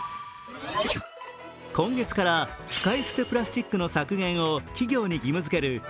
今月から使い捨てプラスチックの削減を企業に義務づける